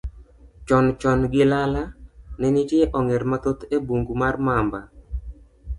Chon chon gilala, ne nitie ong'er mathoth e bungu mar Mamba.